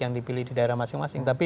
yang dipilih di daerah masing masing tapi